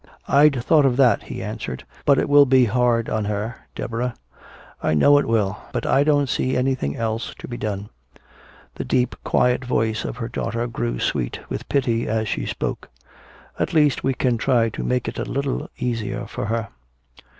"I'd thought of that," he answered. "But it will be hard on her, Deborah " "I know it will but I don't see anything else to be done." The deep quiet voice of his daughter grew sweet with pity as she spoke. "At least we can try to make it a little easier for her.